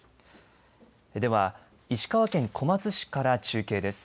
では石川県小松市から中継です。